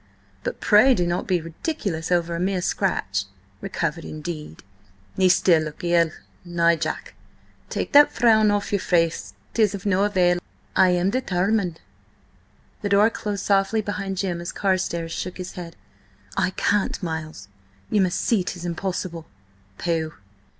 But pray do not be ridiculous over a mere scratch. Recovered, indeed!" "Ye still look ill. Nay, Jack, take that frown off your face; 'tis of no avail, I am determined." The door closed softly behind Jim as Carstares shook his head. "I can't, Miles. You must see 'tis impossible." "Pooh!